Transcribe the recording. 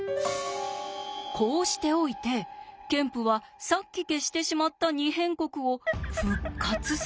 こうしておいてケンプはさっき消してしまった「二辺国」を復活させるのです。